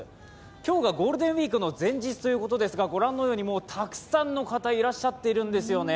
今日がゴールデンウイークの前日ということですが、ご覧のようにたくさんの方、いらっしゃっているんですよね。